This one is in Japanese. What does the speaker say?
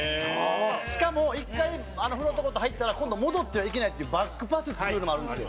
しかも、１回フロントコート入ったら今度、戻ってはいけないっていうバックパスっていうルールもあるんですよ。